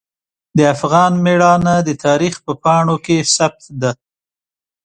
د افغان میړانه د تاریخ په پاڼو کې ثبت ده.